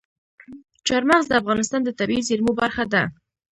چار مغز د افغانستان د طبیعي زیرمو برخه ده.